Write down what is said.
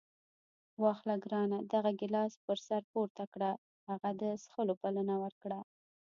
واخله ګرانه دغه ګیلاس پر سر پورته کړه. هغه د څښلو بلنه ورکړه.